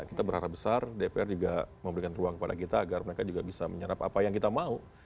kita berharap besar dpr juga memberikan ruang kepada kita agar mereka juga bisa menyerap apa yang kita mau